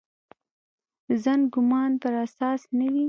ظن ګومان پر اساس نه وي.